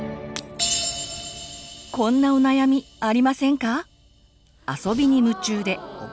こんなお悩みありませんか？